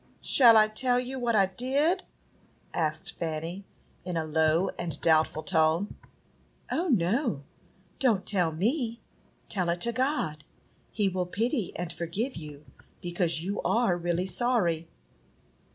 "Shall I tell you what I did?" asked Fanny, in a low and doubtful tone. "O, no! Don't tell me; tell it to God. He will pity and forgive you because you are really sorry."